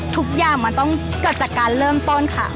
ทุกอย่างมันต้องเกิดจากการเริ่มต้นค่ะ